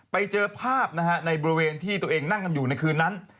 ไปเจอภาพนะฮะในบริเวณที่ตัวเองนั่งกันอยู่ในคืนนั้น